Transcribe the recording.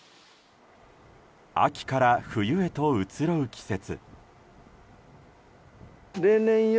秋から冬へとうつろう季節。